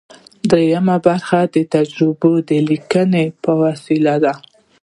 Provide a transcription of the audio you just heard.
دریمه برخه د تجربوي لیکنې په وسیله ده.